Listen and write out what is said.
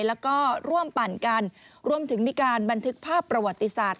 แล้วก็ร่วมปั่นกันรวมถึงมีการบันทึกภาพประวัติศาสตร์